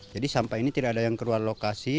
jadi sampah ini tidak ada yang keluar lokasi